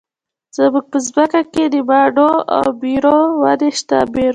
زموږ په ځمکه کې د مماڼو او بیرو ونې شته.